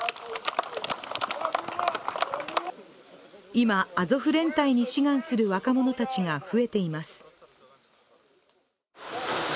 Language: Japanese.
今、アゾフ連隊に志願する若者たちが増えています。